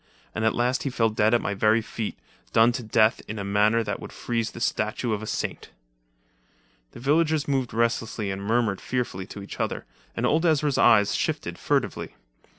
And at last he fell dead at my very feet, done to death in a manner that would freeze the statue of a saint." The villagers moved restlessly and murmured fearfully to each other, and old Ezra's eyes shifted furtively.